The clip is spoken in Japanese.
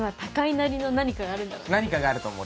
何かがあると思う。